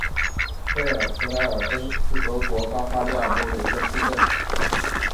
贝尔格莱尔恩是德国巴伐利亚州的一个市镇。